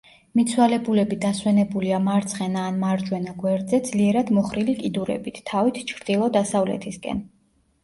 მიცვალებულები დასვენებულია მარცხენა ან მარჯვენა გვერდზე ძლიერად მოხრილი კიდურებით, თავით ჩრდილო-დასავლეთისკენ.